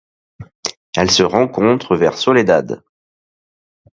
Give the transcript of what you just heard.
Elle se rencontre vers Soledad.